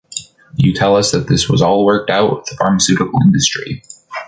You tell us that all of this was worked out with the pharmaceutical industry.